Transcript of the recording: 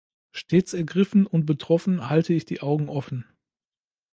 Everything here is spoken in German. Stets ergriffen und betroffen halte ich die Augen offen.